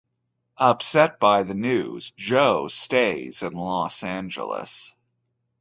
Upset by the news, Joe stays in Los Angeles.